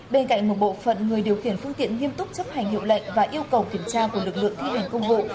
bên cạnh một bộ phận người điều khiển phương tiện nghiêm túc chấp hành hiệu lệnh và yêu cầu kiểm tra của lực lượng thi hành công vụ